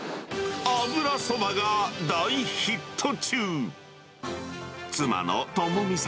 油そばが大ヒット中。